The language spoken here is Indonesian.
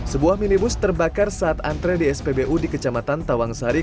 sebuah minibus terbakar saat antre di spbu di kecamatan tawangsari